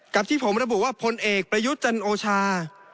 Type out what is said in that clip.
กับที่ผมระบุว่าพลเอกประยุจรรโอชา